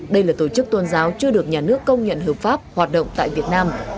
đây là tổ chức tôn giáo chưa được nhà nước công nhận hợp pháp hoạt động tại việt nam